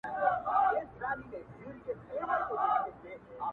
یار به واچوم تارونه نوي نوي و رباب ته,